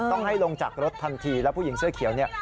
ต้องให้ลงจากรถทันทีแล้วผู้หญิงเสื้อเขียวเนี่ย